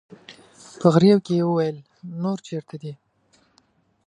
په غريو کې يې وويل: نور چېرته دي؟